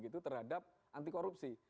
terhadap anti korupsi